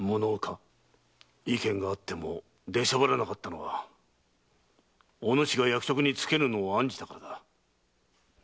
意見があってもでしゃばらなかったのはおぬしが役職に就けぬのを案じたからだ。